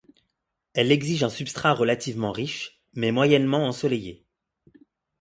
Elle exige un substrat relativement riche, mais moyennement ensoleillé.